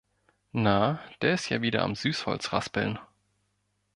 Na, der ist ja wieder am Süßholz raspeln.